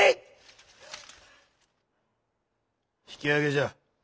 引き揚げじゃ。